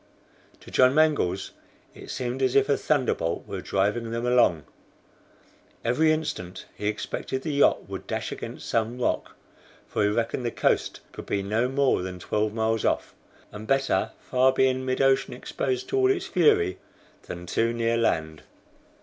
To John Mangles it seemed as if a thunderbolt were driving them along. Every instant he expected the yacht would dash against some rock, for he reckoned the coast could not be more than twelve miles off, and better far be in mid ocean exposed to all its fury than too near land.